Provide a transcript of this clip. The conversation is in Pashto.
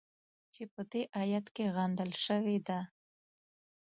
چې په دې ایت کې غندل شوې ده.